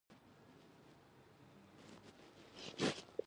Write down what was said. خوب د هیلو زېرمې راپرانيزي